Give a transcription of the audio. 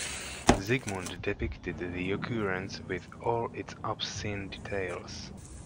Sigmund depicted the occurrence with all its obscene details.